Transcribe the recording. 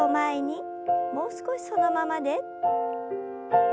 もう少しそのままで。